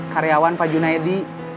karyawan pak juna ya di